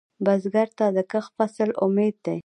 بزګر ته د کښت فصل امید دی